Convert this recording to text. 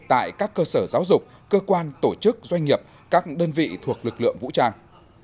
tại các cơ sở giáo dục cơ quan tổ chức doanh nghiệp các đơn vị thuộc lực lượng vũ trang